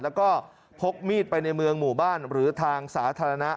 แล้วก็พกมีดไปในเมืองหมู่บ้านหรือทางสาธารณะ